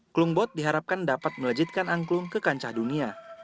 klumbot diharapkan dapat melejitkan angklung ke kancah dunia